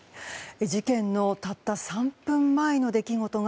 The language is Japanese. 事件のたった３分前の出来事が